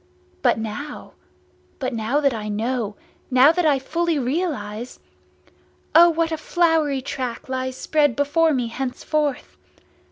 _ But now—but now that I know, now that I fully realise! O what a flowery track lies spread before me, henceforth!